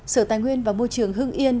sở tài nguyên và môi trường hưng yên